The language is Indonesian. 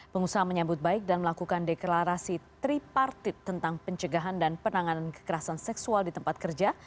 pengusaha menyambut baik dan melakukan deklarasi tripartit tentang pencegahan dan penanganan kekerasan seksual di tempat kerja